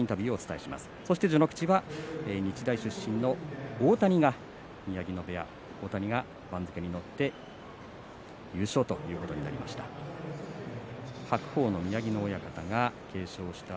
序ノ口は日大出身の大谷宮城野部屋の大谷が番付に載って優勝ということになりました。